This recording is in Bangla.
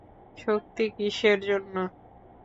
শক্তি, কিসের জন্য?